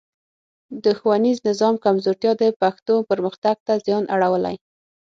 د ښوونیز نظام کمزورتیا د پښتو پرمختګ ته زیان اړولی.